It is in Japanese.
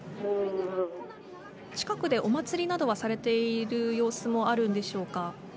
近くでお祭りなどはされている様子もあるんでしょうか。